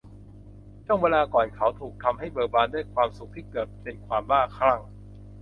ช่วงเวลาก่อนเขาถูกทำให้เบิกบานด้วยความสุขที่เกือบเป็นความบ้าคลั่ง